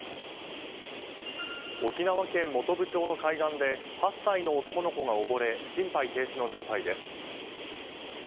沖縄県本部町の海岸で８歳の男の子が溺れ心肺停止の状態です。